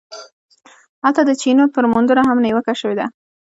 هلته د چینوت پر موندنو هم نیوکه شوې ده.